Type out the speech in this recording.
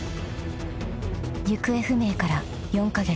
［行方不明から４カ月］